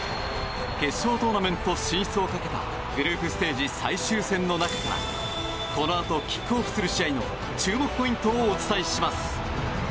決勝トーナメント進出をかけたグループステージ最終戦の中からこのあとキックオフする試合の注目ポイントをお伝えします！